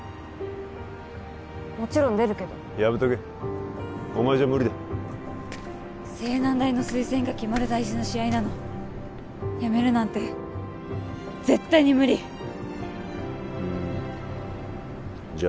もちろん出るけどやめとけお前じゃ無理だ青南大の推薦が決まる大事な試合なのやめるなんて絶対に無理うんじゃあ